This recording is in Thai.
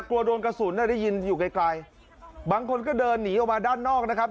กลัวโดนกระสุนได้ยินอยู่ไกลไกลบางคนก็เดินหนีออกมาด้านนอกนะครับ